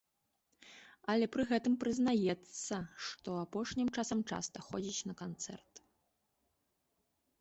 Але пры гэтым прызнаецца, што апошнім часам часта ходзіць на канцэрты.